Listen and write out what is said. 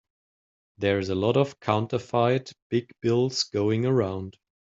There's a lot of counterfeit big bills going around.